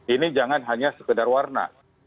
ini jangan hanya sekedar warna